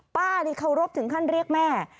ป้านี่เคารพถึงขั้นเรียกแม่